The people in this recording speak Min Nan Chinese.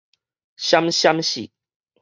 閃閃爍